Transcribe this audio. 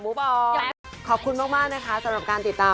ไม่ต้องออกอากาศไม่ได้